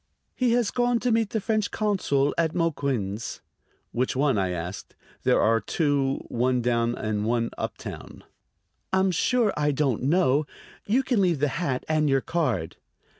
"He has gone to meet the French consul at Mouquin's." "Which one?" I asked. "There are two, one down and one up town." "I'm sure I don't know. You can leave the hat and your card."